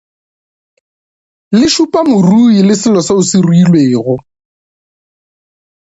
Le šupa morui le selo se se ruilwego.